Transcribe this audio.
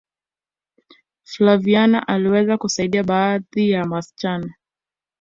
flaviana aliweza kusaidia baadhi ya wasichana